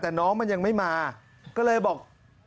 แต่น้องมันยังไม่มาก็เลยบอก